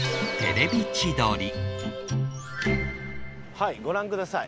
はいご覧ください。